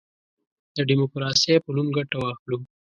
د ډیموکراسی په نوم ګټه واخلو.